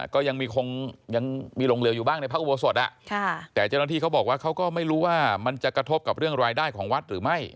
ก็ยังมีคงยังมีหลงเหลืออยู่บ้างในพระอุโบสถแต่เจ้าหน้าที่เขาบอกว่าเขาก็ไม่รู้ว่ามันจะกระทบกับเรื่องรายได้ของวัดหรือไม่